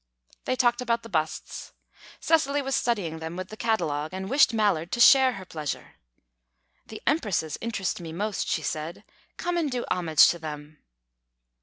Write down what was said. They talked about the busts. Cecily was studying them with the catalogue, and wished Mallard to share her pleasure. "The empresses interest me most," she said. "Come and do homage to them."